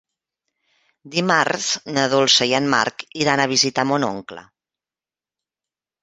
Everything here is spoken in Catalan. Dimarts na Dolça i en Marc iran a visitar mon oncle.